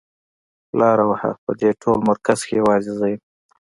لار وهه په دې ټول مرکز کې يوازې زه يم.